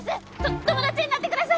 友達になってください！